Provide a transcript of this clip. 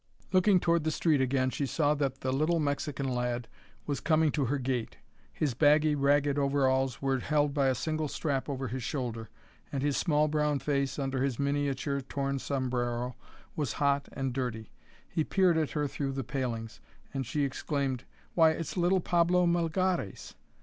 Looking toward the street again she saw that the little Mexican lad was coming to her gate. His baggy, ragged overalls were held by a single strap over his shoulder, and his small, brown face, under his miniature, torn sombrero, was hot and dirty. He peered at her through the palings, and she exclaimed, "Why, it's little Pablo Melgares!"